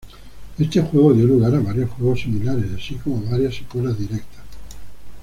Este juego dio lugar a varios juegos similares, así como varias secuelas directas.